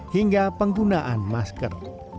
hingga penggunaan masker